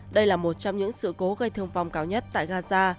đây là một trong những sự cố gây thương vong cao nhất tại gaza